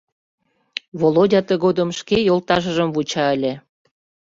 Володя тыгодым шке йолташыжым вуча ыле.